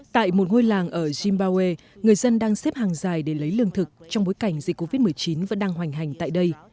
tại một ngôi làng ở zimbawe người dân đang xếp hàng dài để lấy lương thực trong bối cảnh dịch covid một mươi chín vẫn đang hoành hành tại đây